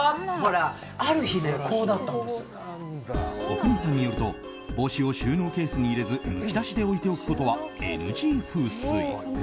阿国さんによると帽子を収納ケースに入れずむき出しで置いておくことはＮＧ風水。